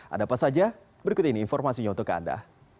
ada apa saja berikut ini informasinya untuk anda